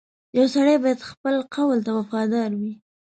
• یو سړی باید خپل قول ته وفادار وي.